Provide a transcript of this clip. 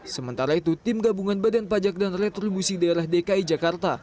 sementara itu tim gabungan badan pajak dan retribusi daerah dki jakarta